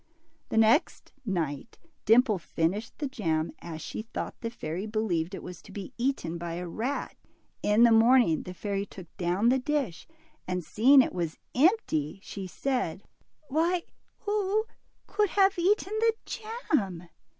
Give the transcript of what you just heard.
The next night Dimple finished the jam, as she thought the fairy believed it to be eaten by a rat. In the morning the fairy took down the dish, and seeing it was empty, she said, Why, who could have eaten the jam